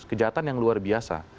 kejahatan yang luar biasa